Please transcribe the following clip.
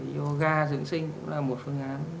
yoga dưỡng sinh cũng là một phương án